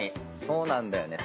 そうなんだよね。